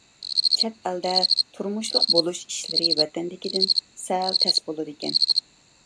چەت ئەلدە تۇرمۇشلۇق بولۇش ئىشلىرى ۋەتەندىكىدىن سەل تەس بولىدىكەن.